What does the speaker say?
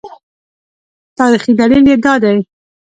تاریخي دلیل یې دا دی.